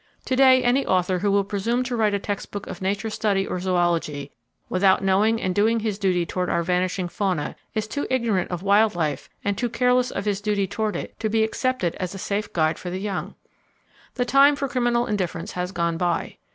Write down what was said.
To day, any author who will presume to write a text book of nature study or zoology without knowing and doing his duty toward our vanishing fauna, is too ignorant of wild life and too careless of his duty toward it, to be accepted as a safe guide for the young. The time for criminal indifference has gone by.